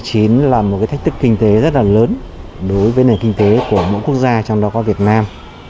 covid một mươi chín là một cái thách thức kinh tế rất là lớn đối với nền kinh tế của mỗi quốc gia trong đó có việt nam